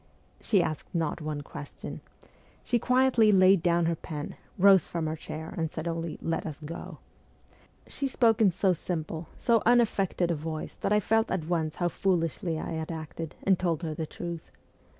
She asked not one question. She quietly laid down her pen, rose from her chair, and said only, 'Let us go.' She spoke in so simple, so unaffected a voice that I felt at once how foolishly I had acted, and told her the truth.